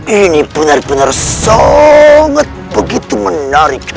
ini benar benar sangat begitu menarik